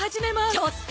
ちょっと！